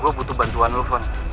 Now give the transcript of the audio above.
gue butuh bantuan lo fon